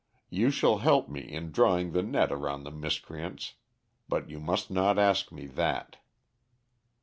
You shall help me in drawing the net around the miscreants, but you must not ask me that."